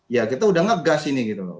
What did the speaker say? ya kita udah ngegas ini gitu loh